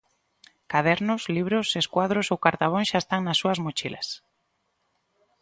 Cadernos, libros, escuadros ou cartabóns xa están nas súas mochilas.